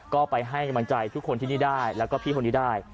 ก็ไปให้กำลังใจทุกคนที่นี่ได้แล้วก็พี่คนนี้ได้